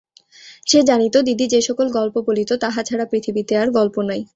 সে জানিত, দিদি যে-সকল গল্প বলিত তাহা ছাড়া পৃথিবীতে আর গল্প নাই।